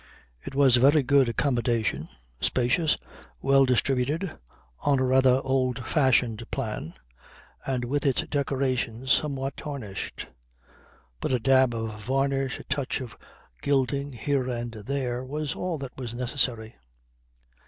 It was a very good accommodation, spacious, well distributed, on a rather old fashioned plan, and with its decorations somewhat tarnished. But a dab of varnish, a touch of gilding here and there, was all that was necessary.